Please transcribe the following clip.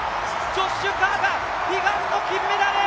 ジョッシュ・カーが悲願の金メダル！